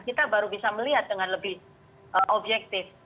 kita baru bisa melihat dengan lebih objektif